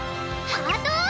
ハートを！